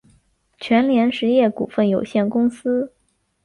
全联实业股份有限公司